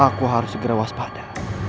aku harus segera waspada